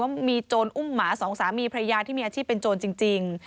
ว่ามีโจรอุ้มหมาสองสามีพระยาที่มีอาชีพเป็นโจรจริง